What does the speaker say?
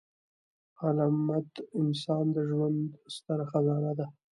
علمد انسان د ژوند ستره خزانه ده.